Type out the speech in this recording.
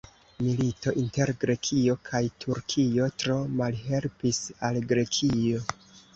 Milito inter Grekio kaj Turkio tro malhelpis al Grekio.